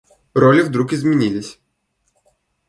Роли вдруг изменились.